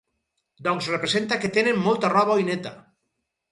Doncs representa que tenen molta roba i neta!!!